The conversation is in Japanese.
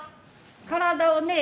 体をね